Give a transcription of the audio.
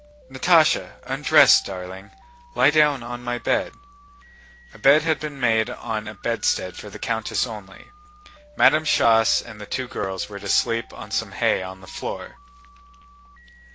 "Natásha, undress, darling; lie down on my bed." A bed had been made on a bedstead for the countess only. Madame Schoss and the two girls were to sleep on some hay on the floor.